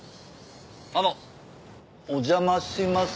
あのお邪魔します。